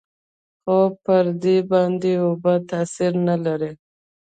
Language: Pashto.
خو پر دې باندې اوبه تاثير نه لري.